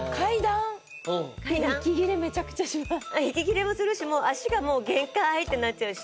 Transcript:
息切れもするしもう足が限界ってなっちゃうし。